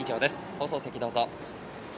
放送席、どうぞ。